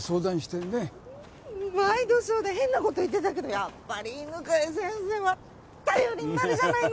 うんワイドショーで変なこと言ってたけどやっぱり犬飼先生は頼りになるじゃないの。